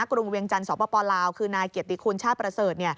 รุงเวียงจันทร์สปลาวคือนายเกียรติคุณชาติประเสริฐ